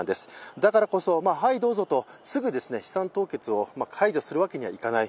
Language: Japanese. だからこそ、はいどうぞとすぐ資産凍結を解除するわけにはいかない。